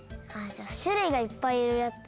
しゅるいがいっぱいいるやつ。